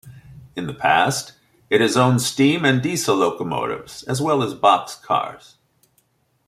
In the past, it has owned steam and diesel locomotives, as well as boxcars.